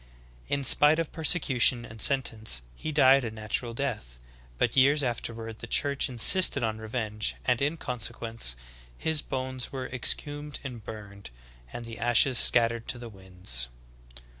In spite of persecution and sentence, he died a natural death; but years afterward the Church insisted on revenge, and in consequence, his bones were exhumed and burned, and the ashes scattered to the winds.